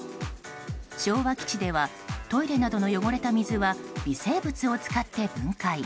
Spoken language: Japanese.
昭和基地ではトイレなどの汚れた水は微生物を使って分解